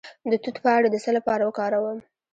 د توت پاڼې د څه لپاره وکاروم؟